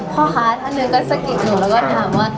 พ่อค้าท่านหนึ่งก็สะกิดหนูแล้วก็ถามว่า